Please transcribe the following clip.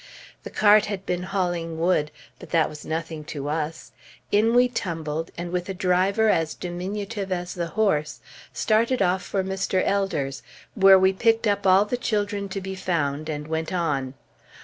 The cart had been hauling wood, but that was nothing to us. In we tumbled, and with a driver as diminutive as the horse, started off for Mr. Elder's, where we picked up all the children to be found, and went on.